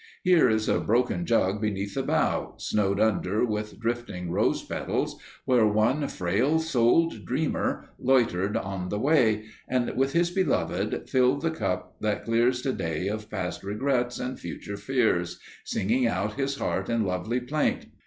Here is a broken jug beneath the bough, snowed under with drifting rose petals, where one frail souled dreamer loitered on the way, and, with his Beloved, filled the cup that clears Today of past regrets and future fears, singing out his heart in lovely plaint.